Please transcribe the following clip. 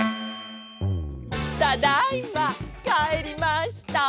ただいまかえりました！